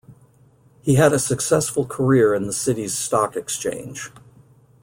He had a successful career in the city's Stock Exchange.